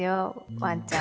ワンちゃん。